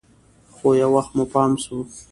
خو يو وخت مو پام سو.